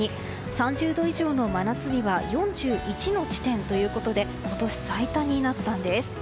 ３０度以上の真夏日は４１の地点ということで今年最多になったんです。